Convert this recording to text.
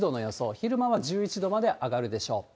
昼間は１１度まで上がるでしょう。